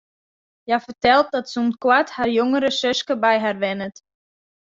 Hja fertelt dat sûnt koart har jongere suske by har wennet.